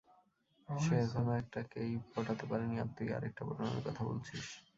সে এখনও একটা কেই পটাতে পারেনি, আর তুই আরেকটা পটানোর কথা বলছিস!